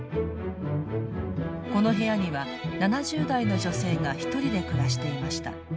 この部屋には７０代の女性がひとりで暮らしていました。